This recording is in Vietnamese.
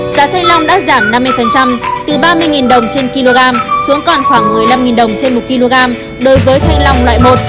giá thanh long đã giảm năm mươi từ ba mươi đồng trên kg xuống còn khoảng một mươi năm đồng trên một kg đối với thanh long loại một